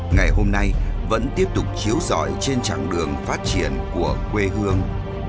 ngày hôm nay vẫn tiếp tục chiếu dõi trên chặng đường phát triển của quê hương